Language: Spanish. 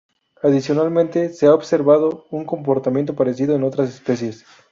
Adicionalmente, se ha observado un comportamiento parecido en otras especies.